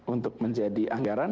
untuk menjadi anggaran